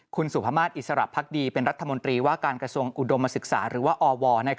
คุณสุภามาศอิสระพักดีเป็นรัฐมนตรีว่าการกระทรวงอุดมศึกษาหรือว่าอว